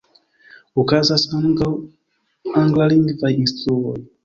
Okazas ankaŭ anglalingvaj instruoj.